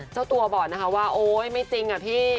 เจ้าตัวบอกนะคะว่าโอ๊ยไม่จริงอะพี่